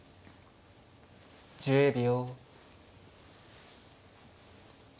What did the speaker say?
１０秒。